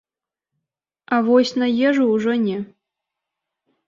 А вось на ежу ўжо не.